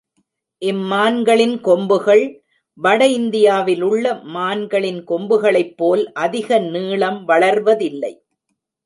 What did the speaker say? இம் மான்களின் கொம்புகள் வட இந்தியாவிலுள்ள மான்களின் கொம்புகளைப்போல் அதிக நீளம் வளர்வதில்லை.